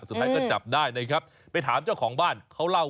สุดท้ายก็จับได้นะครับ